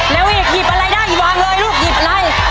เร็วอีกหยิบอะไรได้ลูกหยิบอะไร